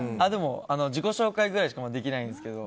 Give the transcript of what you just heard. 自己紹介ぐらいしかできないんですけど。